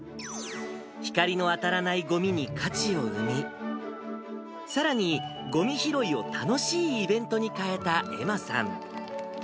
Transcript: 光の当たらないごみに価値を生み、さらに、ごみ拾いを楽しいイベントに変えた愛茉さん。